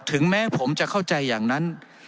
ถึงแม้ผมจะเข้าใจอย่างนั้น